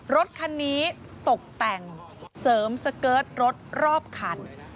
รถคันนี้ตกแต่งเสริมสเกิร์ตรถรอบคัน